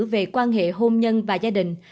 về quan hệ hôn nhân và gia đình